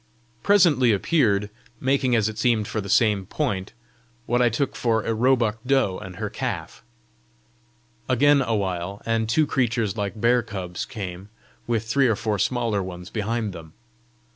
Presently appeared, making as it seemed for the same point, what I took for a roebuck doe and her calf. Again a while, and two creatures like bear cubs came, with three or four smaller ones behind them.